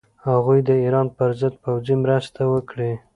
هغوی د ایران پر ضد پوځي مرسته وکړي.